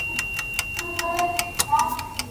مېوې راټوله!